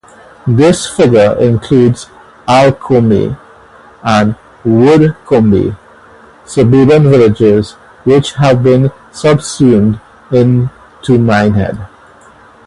This figure includes Alcombe and Woodcombe, suburban villages which have been subsumed into Minehead.